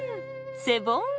セボン！